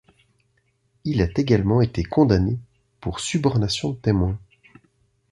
Il a également été condamné pour subornation de témoin.